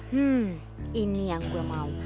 hmm ini yang gue mau